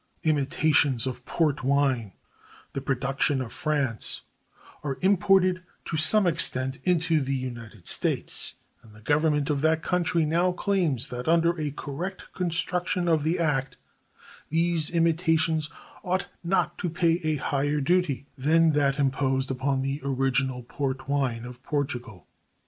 Imitations of port wine, the production of France, are imported to some extent into the United States, and the Government of that country now claims that under a correct construction of the act these imitations ought not to pay a higher duty than that imposed upon the original port wine of Portugal.